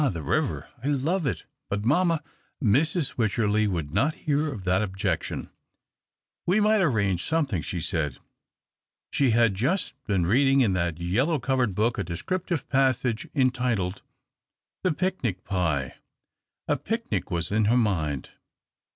the river — I love it — but mamma " Mrs. Wycherley would not hear of that obj ection. " We might arrange something," she said. She had just been reading in that yellow covered book a descriptive passage entitled, " The Picnic Pie." A picnic was in her mind.